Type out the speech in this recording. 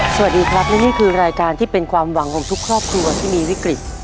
สวัสดีครับและนี่คือรายการที่เป็นความหวังของทุกครอบครัวที่มีวิกฤต